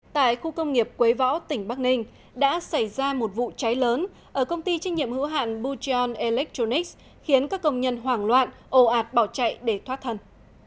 tại khu công nghiệp quế võ tỉnh bắc ninh đã xảy ra một vụ cháy lớn ở công ty trách nhiệm hữu hạn bucheon electronics khiến các công nhân hoảng loạn ồ ạt bỏ chạy để thoát thân